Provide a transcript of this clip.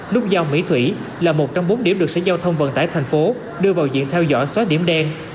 nút giao mỹ thủy là một trong bốn điểm được sở giao thông vận tải thành phố đưa vào diện theo dõi xóa điểm đen